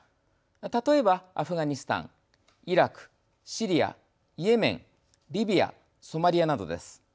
例えば、アフガニスタン、イラクシリア、イエメンリビア、ソマリアなどです。